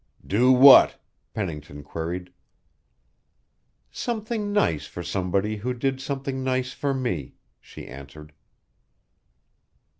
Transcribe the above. "Do what?" Pennington queried. "Something nice for somebody who did something nice for me," she answered.